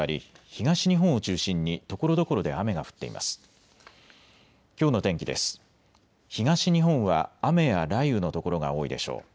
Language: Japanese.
東日本は雨や雷雨の所が多いでしょう。